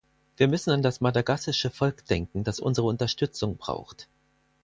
Wir müssen an das madagassische Volk denken, das unsere Unterstützung braucht.